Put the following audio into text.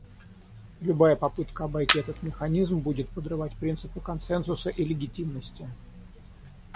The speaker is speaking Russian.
Любая попытка обойти этот механизм будет подрывать принципы консенсуса и легитимности.